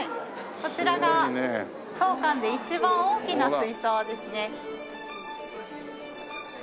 こちらが当館で一番大きな水槽ですね。